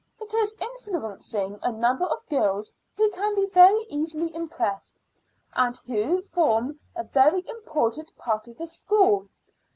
"It is influencing a number of girls who can be very easily impressed, and who form a very important part of this school.